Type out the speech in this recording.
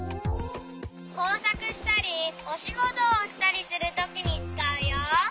こうさくしたりおしごとをしたりするときにつかうよ。